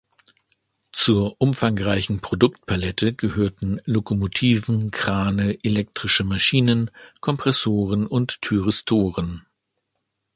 Zur umfangreichen Produktpalette gehörten Lokomotiven, Krane, elektrische Maschinen, Kompressoren und Thyristoren.